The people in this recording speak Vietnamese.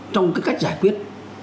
trong cái cách giải quyết